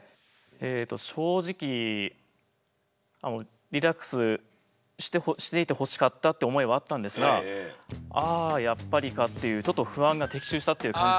えっと正直リラックスしていてほしかったって思いはあったんですがああやっぱりかっていうちょっと不安が的中したっていう感じが。